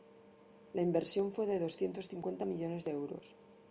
La inversión fue de doscientos cincuenta millones de euros.